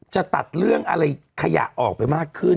จะตัดเรื่องอะไรขยะออกไปมากขึ้น